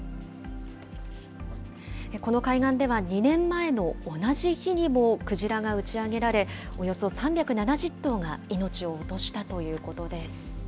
この海岸では２年前の同じ日にもクジラが打ち上げられ、およそ３７０頭が命を落としたということです。